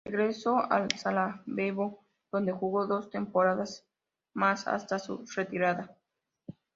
Regresó al Sarajevo donde jugó dos temporadas más hasta su retirada.